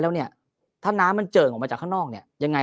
แล้วเนี่ยถ้าน้ำมันเจิ่งออกมาจากข้างนอกเนี่ยยังไง